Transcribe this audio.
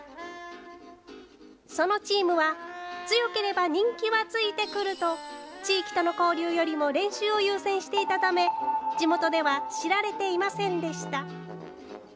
そのチームは、強ければ人気はついてくると、地域との交流よりも練習を優先していたため、地元では知られていませんでした。